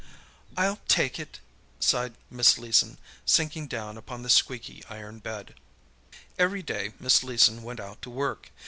"I'll take it!" sighed Miss Leeson, sinking down upon the squeaky iron bed. Every day Miss Leeson went out to work.